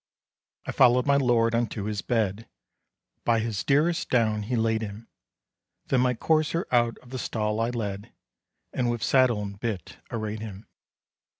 I followed my lord unto his bed, By his dearest down he laid him; Then my courser out of the stall I led, And with saddle and bit arrayed him.